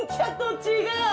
違う。